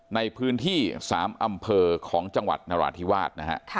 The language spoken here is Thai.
ในพื้นที่๓อำเภอของจังหวัดนราธิวาสนะฮะ